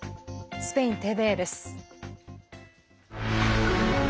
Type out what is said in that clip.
スペインＴＶＥです。